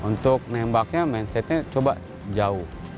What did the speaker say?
untuk nembaknya mindsetnya coba jauh